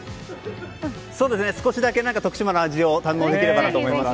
少しだけ徳島の味を堪能できればと思います。